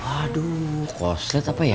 aduh koslet apa ya